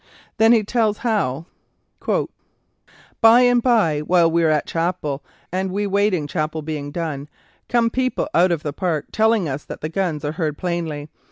Then he tells how "by and by, while they are at chapel and we waiting chapel being done, come people out of the park, telling us that the guns are heard plainly.